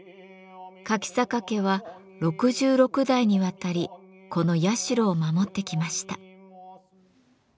柿坂家は六十六代にわたりこの社を守ってきました。